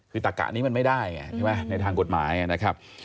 คือตะกะนี้มันไม่ได้ไงใช่ไหมในทางกฎหมายนะครับ